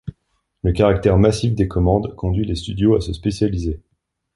Le caractère massif des commandes conduit les studios à se spécialiser.